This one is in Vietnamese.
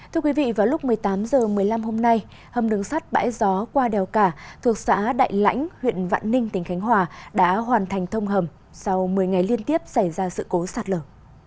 thưa quý vị vào lúc một mươi tám h một mươi năm hôm nay hầm đường sắt bãi gió qua đèo cả thuộc xã đại lãnh huyện vạn ninh tỉnh khánh hòa đã hoàn thành thông hầm sau một mươi ngày liên tiếp xảy ra sự cố sạt lở